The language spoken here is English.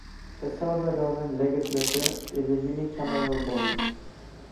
The Salvadoran legislature is a unicameral body.